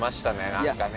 何かね。